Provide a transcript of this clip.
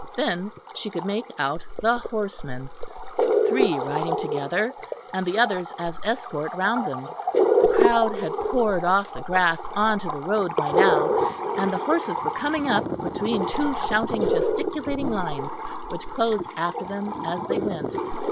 Then she could make out the horsemen; three riding together, and the others as escort round them. The crowd had poured off the grass on to the road by now, and the horses were coming up between two shouting gesticulating lines which closed after them as they went.